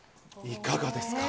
いかがですか？